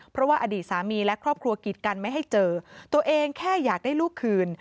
เพราะว่าอดีตสามีและครอบครัวกิดกันไม่ให้เจอตัวเองแค่อยากได้ลูกคืน